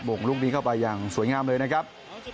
่งลูกนี้เข้าไปอย่างสวยงามเลยนะครับ